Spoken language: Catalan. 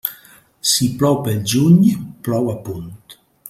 Si plou pel juny, plou a punt.